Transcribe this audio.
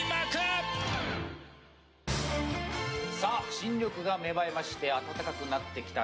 新緑が芽生えまして暖かくなってきました